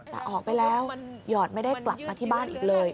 แต่ออกไปแล้วหยอดไม่ได้กลับมาที่บ้านอีกเลย